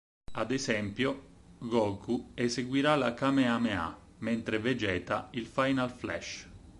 Ad esempio, Goku eseguirà la Kamehameha, mentre Vegeta il Final Flash.